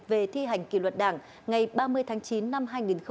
về thi hành kỷ luật đảng ngày ba mươi tháng chín năm hai nghìn hai mươi hai